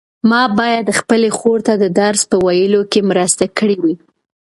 ما باید خپلې خور ته د درس په ویلو کې مرسته کړې وای.